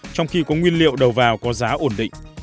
trong khi có nguyên liệu đầu vào có giá ổn định